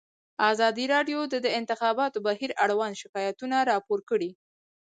ازادي راډیو د د انتخاباتو بهیر اړوند شکایتونه راپور کړي.